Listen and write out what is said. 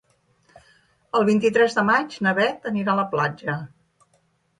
El vint-i-tres de maig na Bet anirà a la platja.